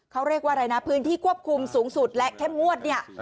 เขาเรียกว่าอะไรนะพื้นที่ควบคุมสูงสุดและเข้มงวดเนี่ย